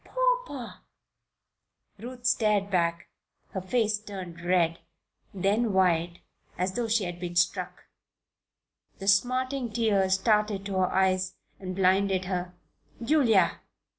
Pauper!" Ruth started back, her face turned red, then white, as though she had been struck. The smarting tears started to her eyes, and blinded her. "Julia!